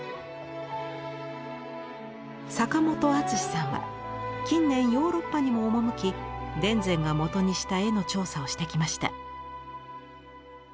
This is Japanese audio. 坂本篤史さんは近年ヨーロッパにも赴き田善が元にした絵の調査をしてきました。